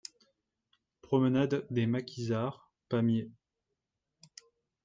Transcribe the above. Promenade des Maquisards, Pamiers